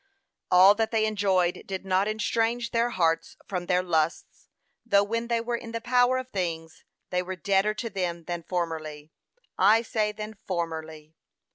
All that they enjoyed did not estrange their hearts from their lusts, though when they were in the power of things, they were deader to them than formerly; I say than formerly.